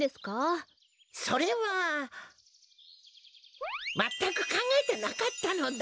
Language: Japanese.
それはまったくかんがえてなかったのだ。